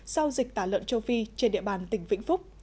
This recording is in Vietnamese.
sau dịch tả lợn châu phi trên địa bàn tỉnh vĩnh phúc